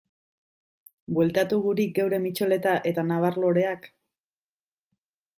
Bueltatu guri geure mitxoleta eta nabar-loreak?